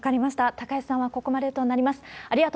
高市さんはここまでとなります。